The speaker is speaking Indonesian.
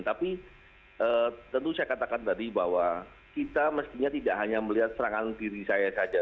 tapi tentu saya katakan tadi bahwa kita mestinya tidak hanya melihat serangan diri saya saja